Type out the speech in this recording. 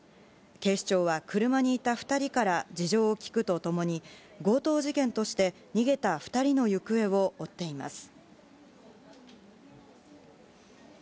警視庁は、車にいた２人から事情を聴くとともに、強盗事件として、逃げた２人の行方を追っています。